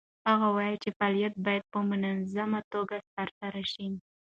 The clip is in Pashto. هغه وویل چې فعالیت باید په منظمه توګه ترسره شي.